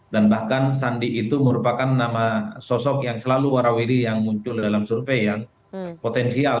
dan bahkan sandi itu merupakan nama sosok yang selalu warawiri yang muncul dalam survei yang potensial